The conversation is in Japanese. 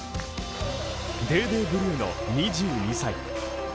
デーデー・ブルーノ２２歳。